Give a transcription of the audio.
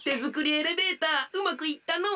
エレベーターうまくいったのう。